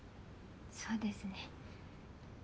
そうですね。